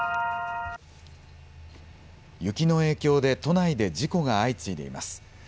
雪の影響で都内で事故が相次いでいます。